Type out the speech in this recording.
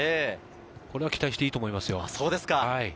これは期待していいと思いますよ。